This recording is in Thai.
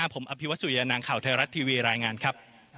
ผมอภิวัตสุยานางข่าวไทยรัฐทีวีรายงานครับ